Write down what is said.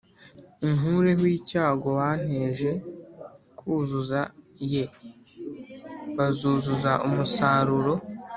Unkureho icyago wanteje kuzuza ye bazuzuza umusaruro